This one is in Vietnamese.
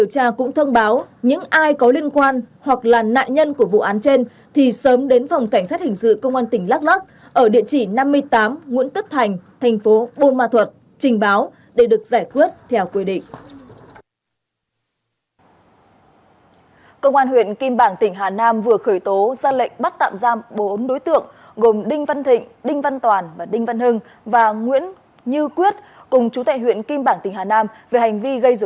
vào cuộc điều tra đến nay phòng cảnh sát hình sự công an huyện ea hờ leo đã thu thập đủ chứng cứ để bắt tạm giam huỳnh thúy kiều